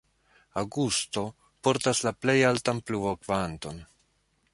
Aŭgusto portas la plej altan pluvo-kvanton.